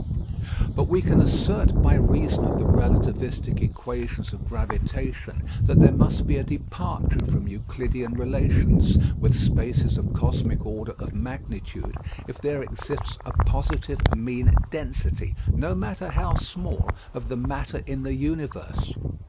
But we can assert by reason of the relativistic equations of gravitation that there must be a departure from Euclidean relations, with spaces of cosmic order of magnitude, if there exists a positive mean density, no matter how small, of the matter in the universe.